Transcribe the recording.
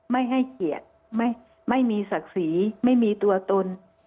ไม่ให้เกียรติไม่มีศักดิ์ศรีไม่มีตัวตน